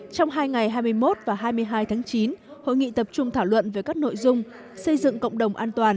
trong hai ngày hai mươi một và hai mươi hai tháng chín hội nghị tập trung thảo luận về các nội dung xây dựng cộng đồng an toàn